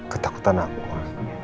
ketakutan aku ma